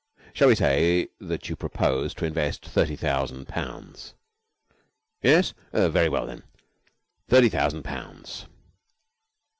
Shall we say that you propose to invest thirty thousand pounds? Yes? Very well, then. Thirty thousand pounds!